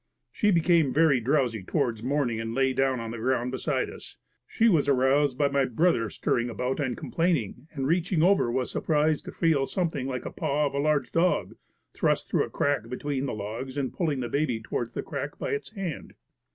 She became very drowsy towards morning and lay down on the ground beside us. She was aroused by my brother stirring about and complaining and reaching over was surprised to feel something like a paw of a large dog thrust through a crack between the logs and pulling the baby towards the crack by its hand.